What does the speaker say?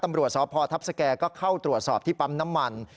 ตำรวจสพทัพสแก่ก็เข้าตรวจสอบที่ปั๊มน้ำมัน